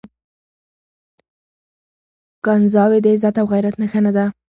کنځاوي د عزت او غيرت نښه نه ده.